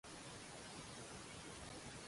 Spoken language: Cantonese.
有人滿之患